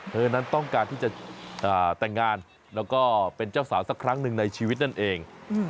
เธอนั้นต้องการที่จะแต่งงานแล้วก็เป็นเจ้าสาวสักครั้งหนึ่งในชีวิตนั่นเอง